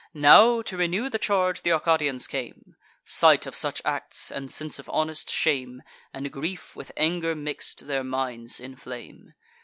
Now, to renew the charge, th' Arcadians came: Sight of such acts, and sense of honest shame, And grief, with anger mix'd, their minds inflame.